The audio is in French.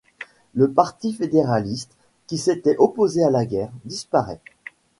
Le Parti fédéraliste, qui s’était opposé à la guerre, disparaît.